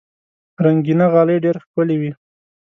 رنګینه غالۍ ډېر ښکلي وي.